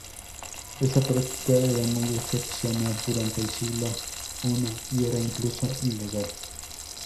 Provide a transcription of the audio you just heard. Esta práctica era muy excepcional durante el siglo I y era incluso ilegal.